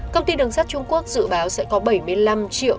công ty đường sắt trung quốc dự báo sẽ có bảy mươi năm triệu